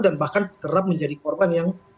dan bahkan terlalu banyak yang menjadi korban